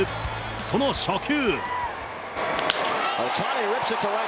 その初球。